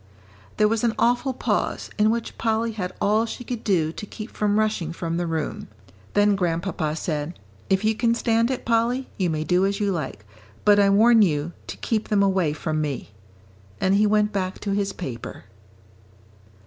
There was an awful pause in which Polly had all she could do to keep from rushing from the room. Then Grandpapa said, "If you can stand it, Polly, you may do as you like, but I warn you to keep them away from me." And he went back to his paper.